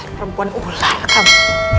berserah perempuan ular kamu